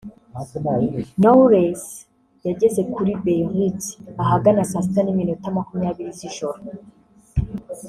Knowless yageze kuri Beirut ahagana saa sita n’iminota makumyabiri z’ijoro